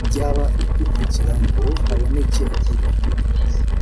byaba ari ukugira ngo haboneke ukuri